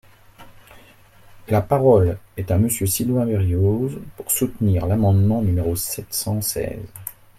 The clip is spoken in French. La parole est à Monsieur Sylvain Berrios, pour soutenir l’amendement numéro sept cent seize.